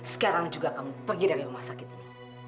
sekarang juga kamu pergi dari rumah sakit ini